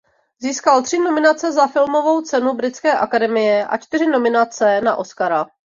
Získal tři nominace na Filmovou cenu Britské akademie a čtyři nominace na Oscara.